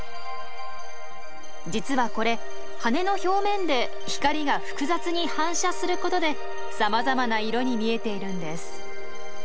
実はこれ羽の表面で光が複雑に反射することでさまざまな色に見えているんです。